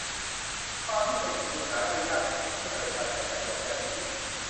ฟาร์มที่อุดมสมบูรณ์หาได้ยากในพื้นที่ทะเลทรายใช้ประโยชน์ไม่ได้นี้